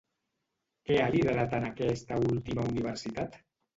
Què ha liderat en aquesta última universitat?